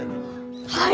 はい！